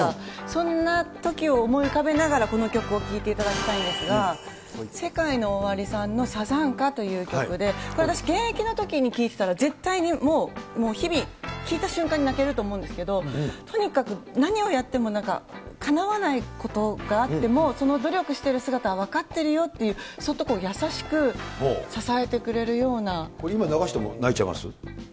そんなときを思い浮かべながらこの曲を聴いていただきたいんですが、ＳＥＫＡＩＮＯＯＷＡＲＩさんのサザンカという曲で、これ、私、現役のときに聴いてたら、絶対にもう、もう日々、聴いた瞬間に泣けると思うんですけど、とにかく何をやってもかなわないことがあっても、その努力してる姿は分かってるよって、そっと優しく支えてくれる今、流しても泣いちゃいます？